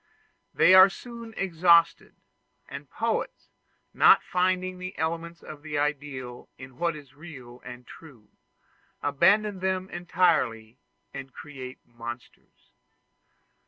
They are soon exhausted: and poets, not finding the elements of the ideal in what is real and true, abandon them entirely and create monsters.